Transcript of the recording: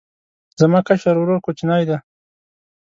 زما کشر ورور کوچنی دی